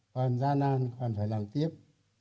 còn gian nan còn phải làm tiếp